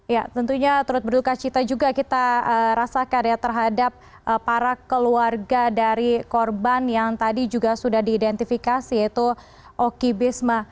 ya tentunya turut berduka cita juga kita rasakan ya terhadap para keluarga dari korban yang tadi juga sudah diidentifikasi yaitu oki bisma